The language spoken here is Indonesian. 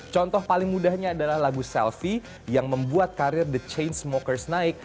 contoh paling mudahnya adalah lagu selfie yang membuat karir the change smokers naik